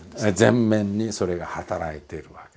前面にそれが働いているわけですよ。